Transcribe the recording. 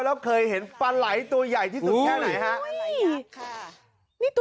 แล้วเคยเห็นปลาไหลตัวใหญ่ที่สุดแค่ไหนฮะ